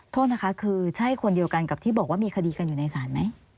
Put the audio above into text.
โทษนะคะคือใช่คนเดียวกันกับที่บอกว่ามีคดีกันอยู่ในศาลไหม